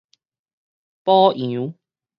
牡羊